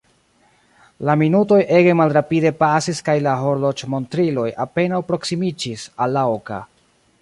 La minutoj ege malrapide pasis kaj la horloĝmontriloj apenaŭ proksimiĝis al la oka.